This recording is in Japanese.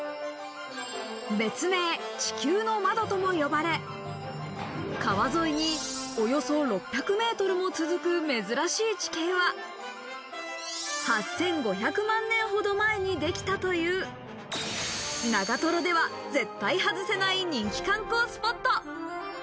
別名・地球の窓とも呼ばれ、川沿いにおよそ６００ｍも続く珍しい地形は、８５００万年ほど前にできたという、長瀞では絶対外せない人気観光スポット。